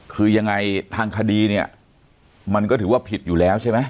คือยังไงทางคดีเนี่ยมันก็ถือว่าผิดอยู่แล้วใช่ไหม